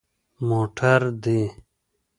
_موټر دي؟